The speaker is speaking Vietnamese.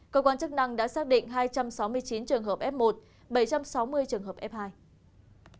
cơ quan chức năng đã xác định hai trăm sáu mươi chín trường hợp f một bảy trăm sáu mươi trường hợp f hai